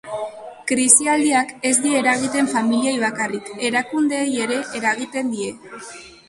Krisialdiak ez die eragiten familiei bakarrik, erakundeei ere eragiten die.